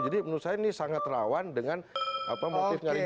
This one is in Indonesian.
jadi menurut saya ini sangat rawan dengan motif nyari duit